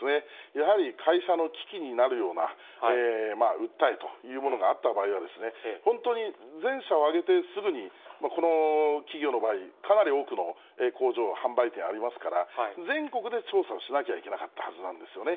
やはり会社の危機になるような訴えというものがあった場合は、本当に全社を挙げて、すぐに、この企業の場合、かなり多くの工場、販売店ありますから、全国で調査をしなきゃいけないはずなんですよね。